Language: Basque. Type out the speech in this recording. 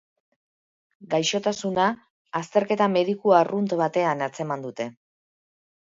Gaixotasuna azterketa mediku arrunt batean atzeman dute.